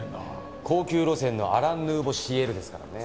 高級路線のアラン・ヌーボー・シエルですからね。